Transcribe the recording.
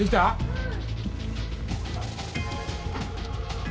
うん。